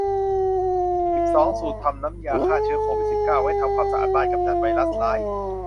สิบสอง สูตรทำน้ำยาฆ่าเชื้อโควิด สิบเก้า ไว้ทำความสะอาดบ้านกำจัดไวรัสร้าย